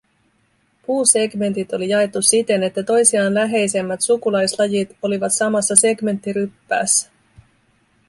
Puusegmentit oli jaettu siten, että toisiaan läheisemmät sukulaislajit olivat samassa segmenttiryppäässä.